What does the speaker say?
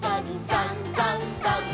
「さんさんさん」